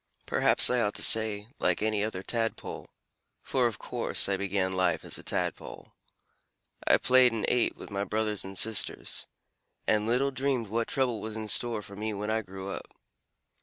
Perhaps I ought to say, 'like any other Tadpole,' for, of course, I began life as a Tadpole. I played and ate with my brothers and sisters, and little dreamed what trouble was in store for me when I grew up.